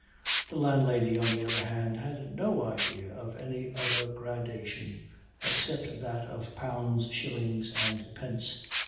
The landlady, on the other hand, had no idea of any other gradation except that of pounds, shillings, and pence.